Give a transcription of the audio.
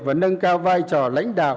và nâng cao vai trò lãnh đạo